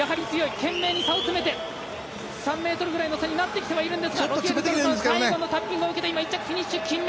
懸命に差を詰めて３ｍぐらいの差になってきていますが最後のタッピングを受けて今フィニッシュ。